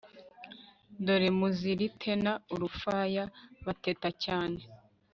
Dore muzuri tena urufaya Bateta cyane